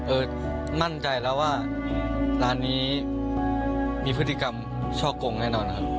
มั่นใจแล้วว่าร้านนี้มีพฤติกรรมช่อกงแน่นอนนะครับ